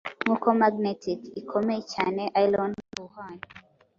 Nkuko Magnetic ikomeye cyane Iron ihuhanya